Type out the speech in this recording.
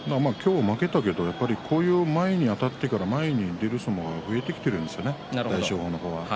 負けたけど前にあたってから前に出る相撲が増えているんです、大翔鵬の方は。